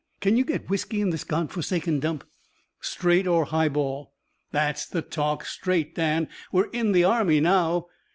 "Can you get whisky in this God forsaken dump?" "Straight or highball?" "That's the talk. Straight, Dan. We're in the army now."